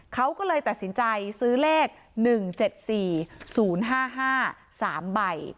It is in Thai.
เขาก็เลยตัดสินใจซื้อเลข๑๗๔๐๕๕๓ใบ